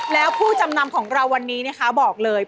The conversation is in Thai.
แล้วผู้จำนำของเราวันนี้นะคะบอกเลย